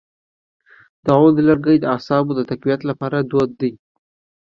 د عود لرګی د اعصابو د تقویت لپاره دود کړئ